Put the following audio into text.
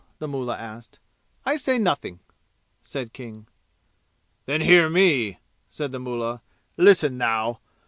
the mullah asked. "I say nothing," said King. "Then hear me!" said the mullah. "Listen, thou."